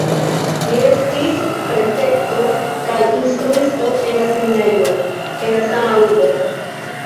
Li estis prefekto kaj instruisto en la seminario en la sama urbo.